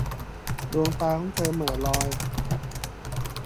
ดวงตาของเธอเหม่อลอย